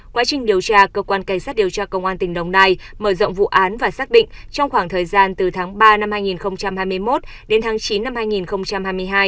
quá trình điều tra cơ quan cảnh sát điều tra công an tỉnh đồng nai mở rộng vụ án và xác định trong khoảng thời gian từ tháng ba năm hai nghìn hai mươi một đến tháng chín năm hai nghìn hai mươi hai